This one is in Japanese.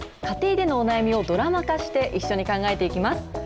家庭でのお悩みをドラマ化して、一緒に考えていきます。